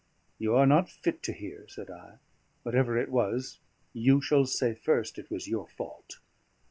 "You are not fit to hear," said I. "Whatever it was, you shall say first it was your fault."